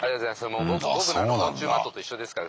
もう僕なんて昆虫マットと一緒ですから。